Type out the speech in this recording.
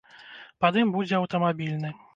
Пад ім будзе аўтамабільны.